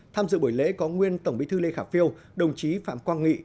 tham dự buổi lễ có nguyên tổng bí thư lê khả phiêu đồng chí phạm quang nghị